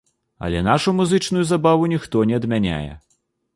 Але нашу музычную забаву ніхто не адмяняе.